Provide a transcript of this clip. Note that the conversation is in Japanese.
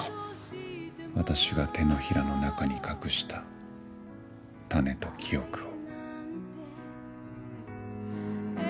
私が手のひらの中に隠したタネと記憶を。